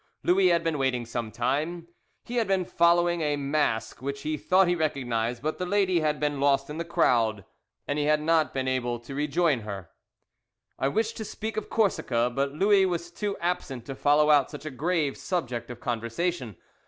Louis had been waiting some time he had been following a mask which he thought he recognized, but the lady had been lost in the crowd, and he had not been able to rejoin her. I wished to speak of Corsica, but Louis was too absent to follow out such a grave subject of conversation.